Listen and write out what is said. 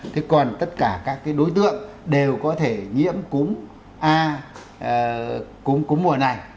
thế còn tất cả các cái đối tượng đều có thể nhiễm cúm a cúm mùa này